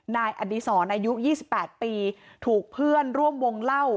นายอดีศรอายุ๒๘ปีถูกเพื่อนร่วมวงเล่า